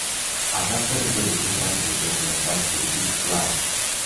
Această rezoluție transmite un mesaj politic clar.